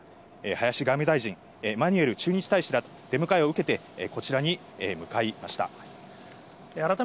林外務大臣、マニュエル駐日大使らを出迎えを受けて、こちらに向かいました。